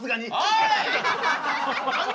おい！